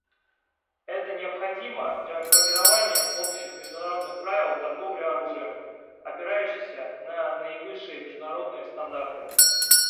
Это необходимо для формирования общих международных правил торговли оружием, опирающихся на наивысшие международные стандарты.